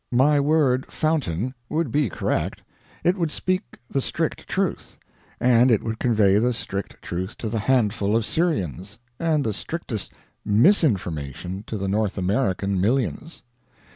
My word "fountain" would be correct; it would speak the strict truth; and it would convey the strict truth to the handful of Syrians, and the strictest misinformation to the North American millions.